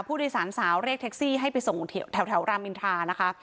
ผู้โดยสารสาวเรียกแท็กซี่ให้ไปส่งแถวรามอินทานะคะ